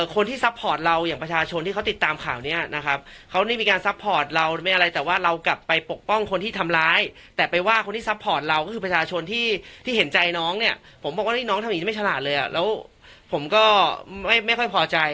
ซัพพอร์ตเราอย่างประชาชนที่เขาติดตามข่าวนี้นะครับเขานี่มีการซัพพอร์ตเราไม่อะไรแต่ว่าเรากลับไปปกป้องคนที่ทำร้ายแต่ไปว่าคนที่ซัพพอร์ตเราก็คือประชาชนที่เห็นใจน้องเนี่ยผมบอกว่านี่น้องทำอย่างนี้ไม่ฉลาดเลยอ่ะแล้วผมก็ไม่ค่อยพอใจ